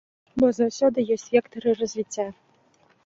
Бо заўсёды ёсць вектары развіцця.